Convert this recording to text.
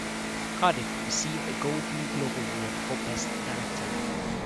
Cardiff received a Golden Globe Award for Best Director.